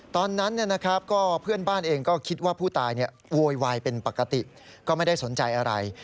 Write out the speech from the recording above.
ตอนนั้นเพื่อนบ้านเองก็คิดว่าผู้ตายโวยวายเป็นปกติก็ไม่ได้สนใจอะไร